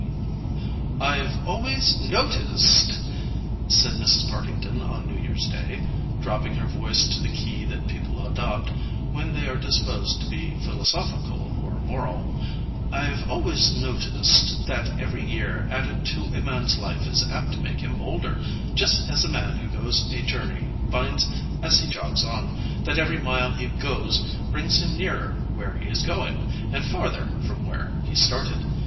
XX "I've always noticed," said Mrs. Partington on New Year's Day, dropping her voice to the key that people adopt when they are disposed to be philosophical or moral; "I've always noticed that every year added to a man's life is apt to make him older, just as a man who goes a journey finds, as he jogs on, that every mile he goes brings him nearer where he is going, and farther from where he started.